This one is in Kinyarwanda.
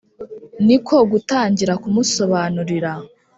ni ko gutangira kumusobanurira.